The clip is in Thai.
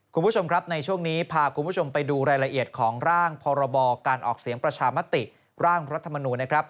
คุณผู้ชมครับในช่วงนี้พาคุณผู้ชมไปดูรายละเอียดของร่างพรบการออกเสียงประชามติร่างรัฐมนูลนะครับ